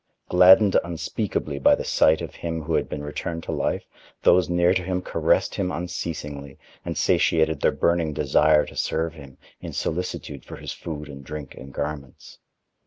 Gladdened unspeakably by the sight of him who had been returned to life, those near to him caressed him unceasingly, and satiated their burning desire to serve him, in solicitude for his food and drink and garments.